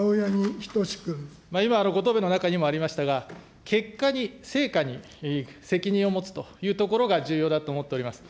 今、ご答弁の中にもありましたが、結果に、成果に責任を持つというところが重要だと思っております。